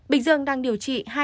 bình dương đang điều trị